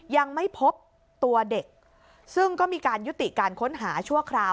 ยังไม่พบตัวเด็กซึ่งก็มีการยุติการค้นหาชั่วคราว